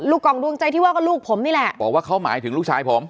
กล่องดวงใจที่ว่าก็ลูกผมนี่แหละบอกว่าเขาหมายถึงลูกชายผม